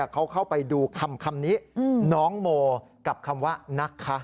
เขาเข้าไปดูคำนี้น้องโมกับคำว่านะคะ